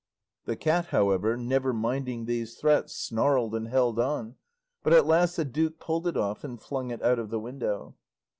The cat, however, never minding these threats, snarled and held on; but at last the duke pulled it off and flung it out of the window.